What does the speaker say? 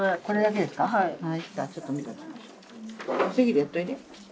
これだけですか？